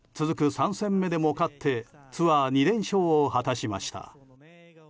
３戦目でも勝ってツアー２連勝を果たしました。